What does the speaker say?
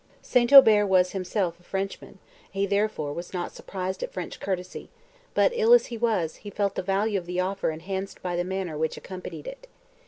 St. Aubert was himself a Frenchman; he therefore was not surprised at French courtesy; but, ill as he was, he felt the value of the offer enhanced by the manner which accompanied it.